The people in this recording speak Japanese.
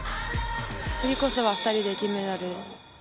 次こそは２人で金メダルを。